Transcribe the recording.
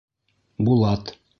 Булат